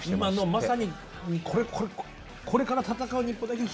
まさにこれから戦う日本代表